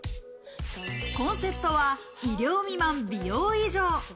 コンセプトは、医療未満美容以上。